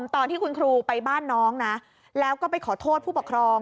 ตอนที่คุณครูไปบ้านน้องนะแล้วก็ไปขอโทษผู้ปกครอง